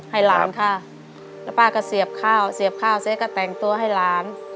ให้หลานค่ะแล้วป้าก็เสียบข้าวเสียบข้าวเสร็จก็แต่งตัวให้หลาน